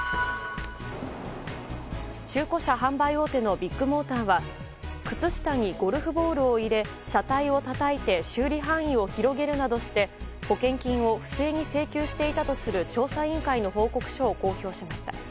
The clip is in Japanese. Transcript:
中古車販売大手のビッグモーターは靴下にゴルフボールを入れ車体をたたいて修理範囲を広げるなどして保険金を不正に請求していたとする調査委員会の報告書を公表しました。